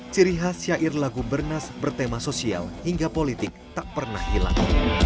ciri khas syair lagu bernas bertema sosial hingga politik tak pernah hilang